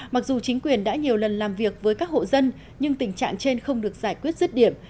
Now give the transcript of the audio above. mặc dù chính quyền đã nhiều lần làm việc với các hộ dân nhưng tình trạng trên không được giải quyết rứt điểm